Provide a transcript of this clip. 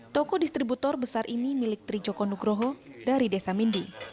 toko distributor besar ini milik tri joko nugroho dari desa mindy